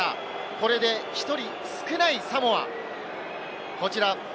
これで１人少ないサモア。